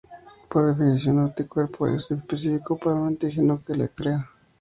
Por definición, un anticuerpo es específico para un antígeno que lo crea.